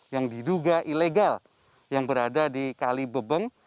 yang diduga ilegal yang berada di kali bebeng